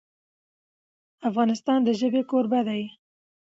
افغانستان د ژبې کوربه دی.